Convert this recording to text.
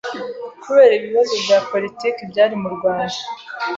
Kubera ibibazo bya Politiki byari mu Rwanda